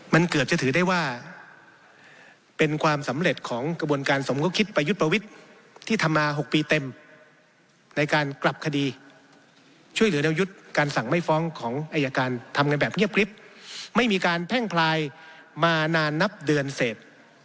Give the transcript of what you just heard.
มันเกือบจะถือได้ว่าเป็นความสำเร็จของกระบวนการสมคบคิดประยุทธ์ประวิทย์ที่ทำมา๖ปีเต็มในการกลับคดีช่วยเหลือเรายุทธ์การสั่งไม่ฟ้องของอายการทำกันแบบเงียบกริ๊บไม่มีการแพ่งพลายมานานนับเดือนเสร็จ